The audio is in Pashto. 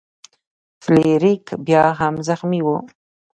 فلیریک بیا هم زخمی و.